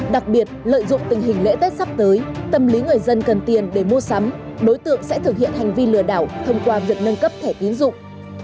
đặc biệt lợi dụng tình hình lễ tết sắp tới tâm lý người dân cần tiền để mua sắm đối tượng sẽ thực hiện hành vi lừa đảo thông qua việc nâng cấp thẻ tiến dụng